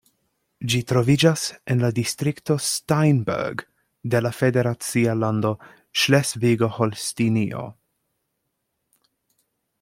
Ĝi troviĝas en la distrikto Steinburg de la federacia lando Ŝlesvigo-Holstinio.